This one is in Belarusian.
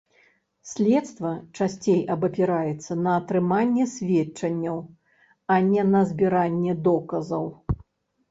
Следства часцей абапіраецца на атрыманне сведчанняў, а не на збіранне доказаў.